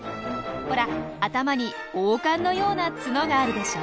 ほら頭に王冠のようなツノがあるでしょ！